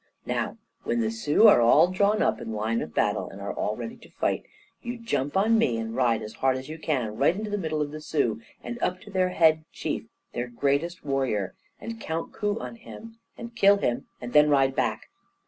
Now, when the Sioux are all drawn up in line of battle, and are all ready to fight, you jump on to me, and ride as hard as you can, right into the middle of the Sioux, and up to their Head Chief, their greatest warrior, and count coup on him, and kill him, and then ride back.